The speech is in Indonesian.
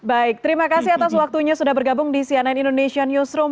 baik terima kasih atas waktunya sudah bergabung di cnn indonesia newsroom